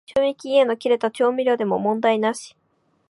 賞味期限の切れた調味料でも問題なし